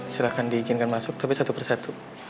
silahkan diizinkan masuk tapi satu persatu